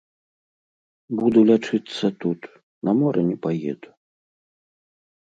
Буду лячыцца тут, на мора не паеду.